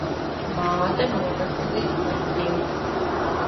Māte novesta līdz kliņķim.